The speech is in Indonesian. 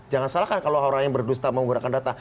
jangan salahkan kalau orang yang berdusta menggunakan data